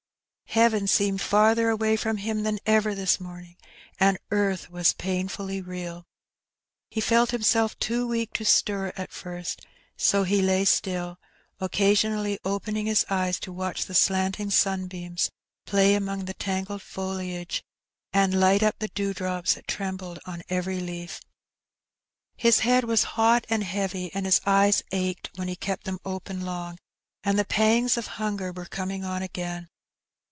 Heaven seemed farther away from him than ever this vioming, and earth was painfully real. He felt himself too weak to stir at first, so he lay still, occasionally opening his eyes to watch the slanting sunbeams play among the tangled foliage, and light up the dewdrops that trembled on every leaf. ' His head was hot and heavy, and his eyes achecl when he kept them open long, and the pangs of hunger were coming on again.